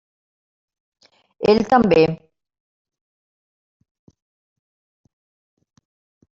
Ell també.